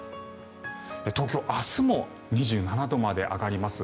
東京、明日も２７度まで上がります。